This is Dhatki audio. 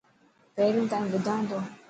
پهرين تائن ٻڌان ٿو.